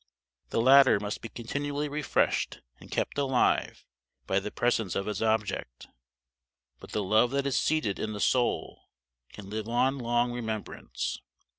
The latter must be continually refreshed and kept alive by the presence of its object, but the love that is seated in the soul can live on long remembrance.